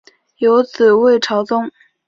有子魏朝琮。